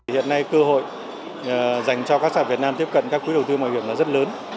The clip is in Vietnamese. hiện nay cơ hội dành cho các xã việt nam tiếp cận các quỹ đầu tư mạo hiểm là rất lớn